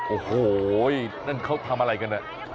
โอ้โหนั่นเขาทำอะไรกัน